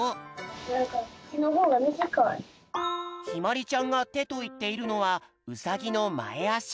なんかひまりちゃんがてといっているのはウサギのまえあし。